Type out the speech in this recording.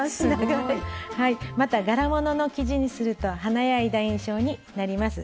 また柄物の生地にすると華やいだ印象になります。